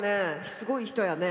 すごい人やね。